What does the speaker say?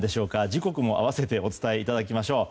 時刻も併せてお伝えいただきましょう。